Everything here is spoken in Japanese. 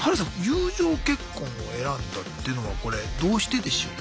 友情結婚を選んだっていうのはこれどうしてでしょう？